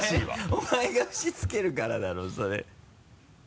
お前が節つけるからだろそれ。